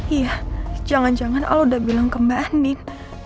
iya jangan jangan al udah bilang ke mbak andin